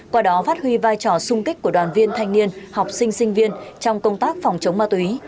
qua đó phát huy vai trò sung kích của đoàn viên thanh niên học sinh sinh viên trong công tác phòng chống ma túy